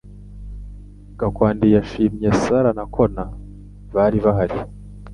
Gakwandi yashimye Sarah na Connor bari bahari